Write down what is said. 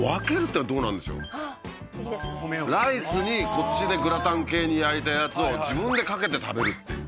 ライスにこっちでグラタン系に焼いたやつを自分でかけて食べるっていう。